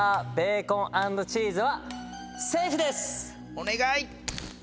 お願い！